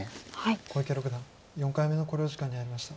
小池六段４回目の考慮時間に入りました。